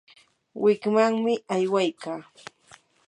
wikmanmi aywaykaa.